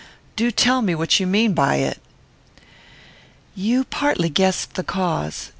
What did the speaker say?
Do tell me what you mean by it." "You partly guessed the cause.